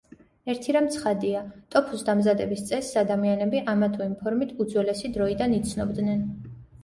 ერთი რამ ცხადია; ტოფუს დამზადების წესს ადამიანები ამა თუ იმ ფორმით უძველესი დროიდან იცნობდნენ.